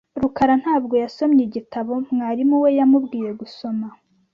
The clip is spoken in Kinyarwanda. rukara ntabwo yasomye igitabo mwarimu we yamubwiye gusoma .